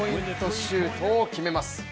シュートを決めます